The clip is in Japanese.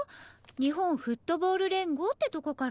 日本フットボール連合ってとこから。